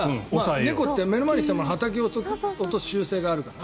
猫って目の前に来たものをはたき落とす習性があるから。